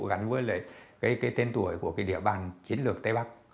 gắn với tên tuổi của địa bàn chiến lược tây bắc